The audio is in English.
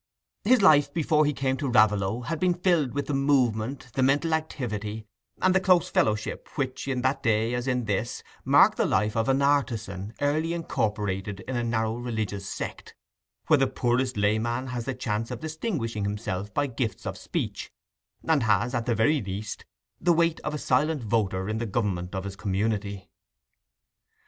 His life, before he came to Raveloe, had been filled with the movement, the mental activity, and the close fellowship, which, in that day as in this, marked the life of an artisan early incorporated in a narrow religious sect, where the poorest layman has the chance of distinguishing himself by gifts of speech, and has, at the very least, the weight of a silent voter in the government of his community.